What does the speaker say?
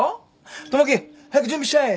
友樹早く準備しちゃえ。